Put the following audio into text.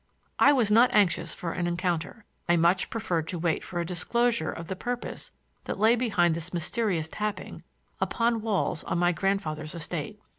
I was not anxious for an encounter; I much preferred to wait for a disclosure of the purpose that lay behind this mysterious tapping upon walls on my grandfather's estate.